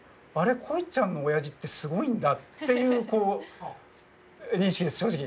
「こいちゃんの親父ってすごいんだ」っていう認識です正直。